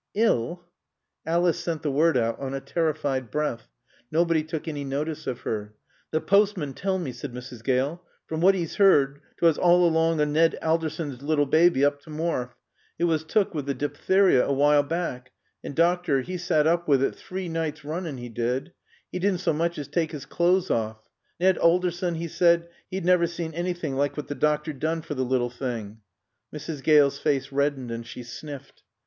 "Ill?" Alice sent the word out on a terrified breath. Nobody took any notice of her. "T' poastman tell mae," said Mrs. Gale. "From what 'e's 'eerd, 'twas all along o' Nad Alderson's lil baaby up to Morfe. It was took wi' the diptheery a while back. An' doctor, 'e sat oop wi' 't tree nights roonin', 'e did. 'E didn' so mooch as taak 's cleathes off. Nad Alderson, 'e said, 'e'd navver seen anything like what doctor 'e doon for t' lil' thing." Mrs. Gale's face reddened and she sniffed.